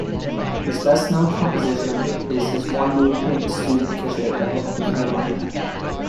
His best-known composition is his one-movement student concerto in A minor.